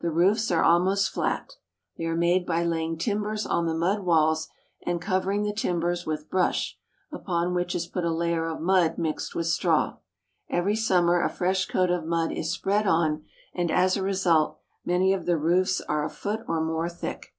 The roofs are almost flat. They are made by laying tim bers on the mud walls, and covering the timbers with brush, upon which is put a layer of mud mixed with straw. Every summer a fresh coat of mud is spread on, and as a result many of the roofs are a foot or more thick.